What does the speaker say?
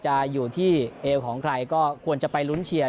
จะอยู่ที่เอวของใครก็ควรจะไปลุ้นเชียร์